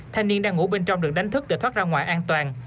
thanh niên đang ngủ bên trong đường đánh thức để thoát ra ngoài an toàn